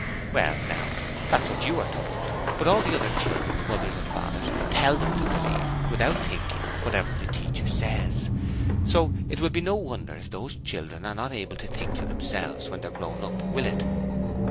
'Well, now, that's what YOU were told, but all the other children's mothers and fathers tell them to believe, without thinking, whatever the teacher says. So it will be no wonder if those children are not able to think for themselves when they're grown up, will it?'